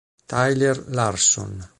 Tyler Larson